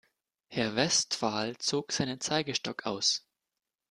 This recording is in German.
Herr Westphal zog seinen Zeigestock aus.